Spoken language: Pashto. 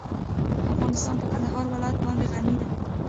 افغانستان په کندهار ولایت باندې غني دی.